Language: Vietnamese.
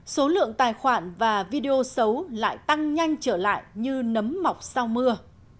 số lượng tài khoản và video xấu lại tăng nhanh trở lại như nấm mọc sau mưa